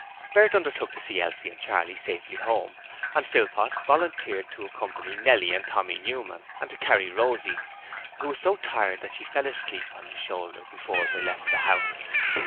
Bert undertook to see Elsie and Charley safely home, and Philpot volunteered to accompany Nellie and Tommy Newman, and to carry Rosie, who was so tired that she fell asleep on his shoulder before they left the house.